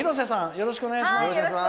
よろしくお願いします。